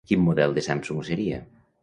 Quin model de Samsung seria?